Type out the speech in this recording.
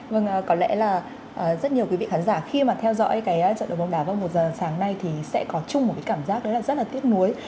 vâng có lẽ là rất nhiều quý vị khán giả khi mà theo dõi trận đấu bóng đá vào một giờ sáng nay thì sẽ có chung một cảm giác rất là tiếc nuối